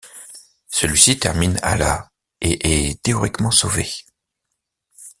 Celui-ci termine à la et est théoriquement sauvé.